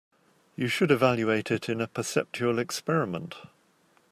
You should evaluate it in a perceptual experiment.